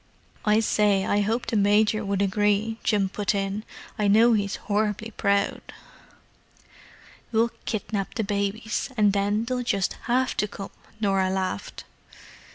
"I say, I hope the Major would agree," Jim put in. "I know he's horribly proud." "We'll kidnap the babies, and then they'll just have to come," Norah laughed.